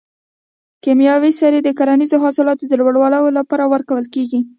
کیمیاوي سرې د کرنیزو حاصلاتو د لوړولو لپاره ورکول کیږي.